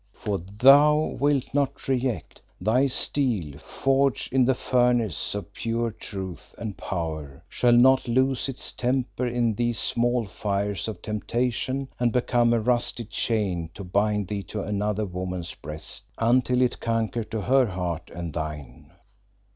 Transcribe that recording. "For thou wilt not reject; thy steel, forged in the furnace of pure truth and power, shall not lose its temper in these small fires of temptation and become a rusted chain to bind thee to another woman's breast until it canker to her heart and thine."